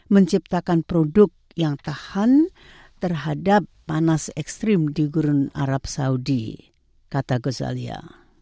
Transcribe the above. menciptakan produk yang tahan terhadap panas ekstrim di gurun arab saudi kata gozalia